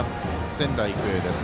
仙台育英です。